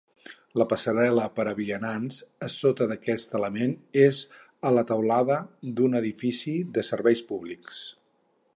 La passarel·la per a vianants a sota d'aquest element és a la teulada d'un edifici de serveis públics.